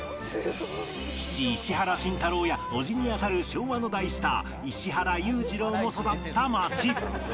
父石原慎太郎や叔父にあたる昭和の大スター石原裕次郎も育った町